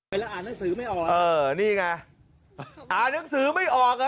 เราอ่านหนังสือไม่ออกเออนี่ไงอ่านหนังสือไม่ออกอ่ะ